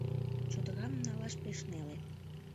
Чодырам налаш пеш неле.